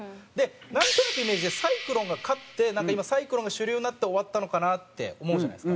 なんとなく、イメージでサイクロンが勝って今、サイクロンが主流になって終わったのかなって思うじゃないですか。